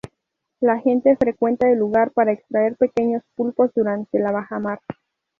La gente frecuenta el lugar para extraer pequeños pulpos durante la bajamar.